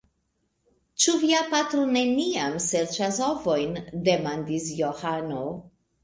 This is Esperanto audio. Ĉu via patro neniam serĉas ovojn? demandis Johano.